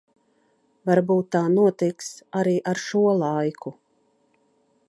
Varbūt tā notiks arī ar šo laiku.